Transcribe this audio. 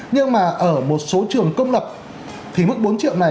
nhưng mà ở một số trường công lập thì mức bốn triệu này